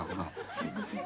すいません。